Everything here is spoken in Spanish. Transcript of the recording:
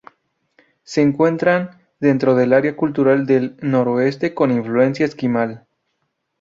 Se encuentran dentro del área cultural del Noroeste con influencia esquimal.